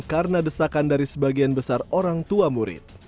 karena desakan dari sebagian besar orang tua murid